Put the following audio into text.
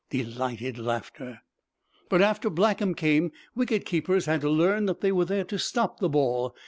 Delighted laughter. "But after Blackham came wicket keepers had to learn that they were there to stop the ball.